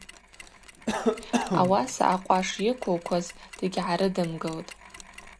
Ауаса акъваш йыквылкваз дыгьгӏарыдымгылтӏ.